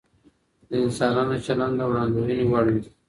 د انسانانو چلند د وړاندوينې وړ وي.